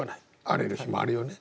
荒れる日もあるよね。